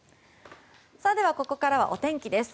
では、ここからはお天気です。